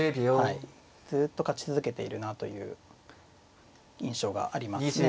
ずっと勝ち続けているなという印象がありますね。